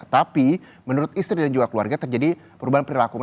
tapi menurut istri dan juga keluarga terjadi perubahan perilaku